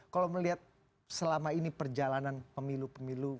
kalau melihat selama ini perjalanan pemilu pemilu